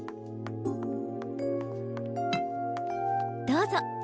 どうぞ。